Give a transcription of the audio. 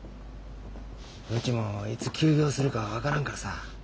うちもいつ休業するか分からんからさ。